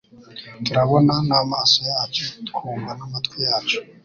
Turabona n'amaso yacu, twumva n'amatwi yacu